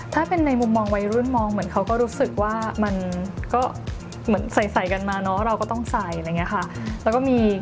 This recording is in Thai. ถ้าเป็นในมุมมองวัยรุ่นมองเขาก็รู้สึกว่าเหมือนใสกันมาเนาะเราก็ต้องใส่